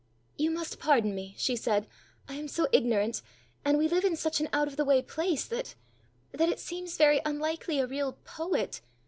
"You must pardon me!" she said: "I am so ignorant! And we live in such an out of the way place that that it seems very unlikely a real poet